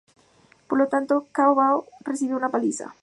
Por lo tanto, Cao Bao recibió una paliza.